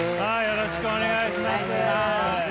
よろしくお願いします。